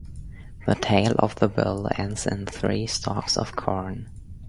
The tail of the bull ends in three stalks of corn.